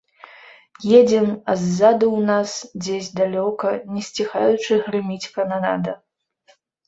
Едзем, а ззаду ў нас, дзесь далёка, не сціхаючы грыміць кананада.